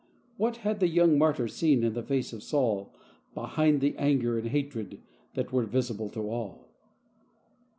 What had the young martyr seen in the face of Saul behind the anger and hatred that were visible to all